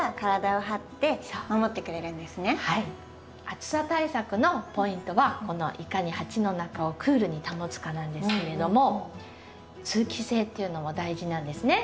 暑さ対策のポイントはいかに鉢の中をクールに保つかなんですけれども通気性っていうのも大事なんですね。